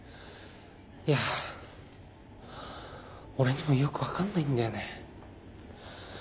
いや俺にもよく分かんないんだよね。